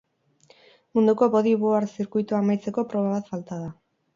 Munduko bordyboard zirkuitoa amaitzeko proba bat falta da.